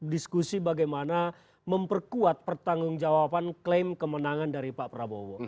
diskusi bagaimana memperkuat pertanggung jawaban klaim kemenangan dari pak prabowo